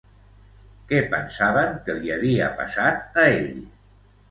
Què pensaven que li havia passat a ell?